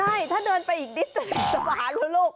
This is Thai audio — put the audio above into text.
ใช่ถ้าเดินไปอีกนิดสิจะเป็นสะพานแล้วลูก